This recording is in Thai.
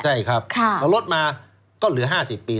ใช่ครับเราลดมาก็เหลือ๕๐ปี